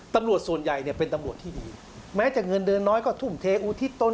ตำรวจส่วนใหญ่เนี่ยเป็นตำรวจที่ดีแม้จะเงินเดินน้อยก็ทุ่มเทอุทิศตน